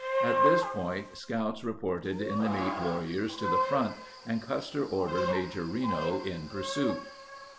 At this point scouts reported enemy warriors to the front, and Custer ordered Major Reno in pursuit.